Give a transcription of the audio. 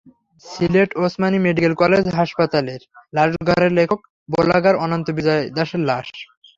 Sylhet Osmani medical college হাসপাতালের লাশঘরে লেখক, ব্লগার অনন্ত বিজয় দাশের লাশ।